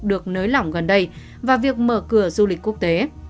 được nới lỏng gần đây và việc mở cửa du lịch quốc tế